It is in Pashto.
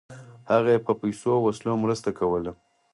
هغه یې په پیسو او وسلو مرسته کوله.